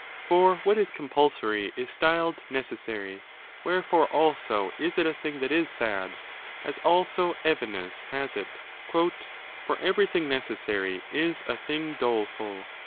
^ For what is compulsory is styled necessary : wherefore, also, is it a thing that is sad ; as also Evenus* has it:— "For everything necessary is a thing doleful."